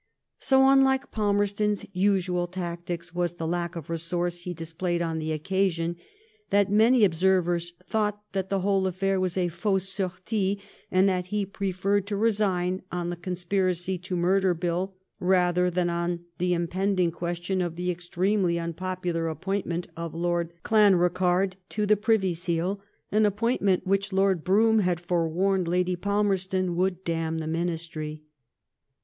So unlike Palmerston's usual tactics was the lack of resource he displayed on the occasion, that many observers thought that the whole affair was a fausse sortie ; and that he preferred to resign on the Conspiracy to Murder Bill rather than on the impending question of the extremely unpopular appointment of Lord Glanricarde to the Privy Seal, an appointment which Lord Brougham had forewarned Lady Falmerston would *' damn the Minis i;ry.''